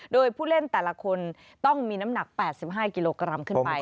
โดยผู้เล่นแต่ละคนต้องมีน้ำหนัก๘๕กิโลกรัมขึ้นไป